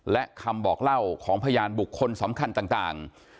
และคำบอกเล่าของพยานบุคคลสำคัญต่าง